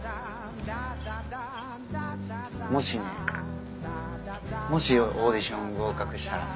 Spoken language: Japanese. もしねもしオーディション合格したらさ。